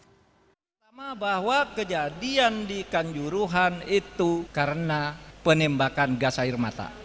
pertama bahwa kejadian di kanjuruhan itu karena penembakan gas air mata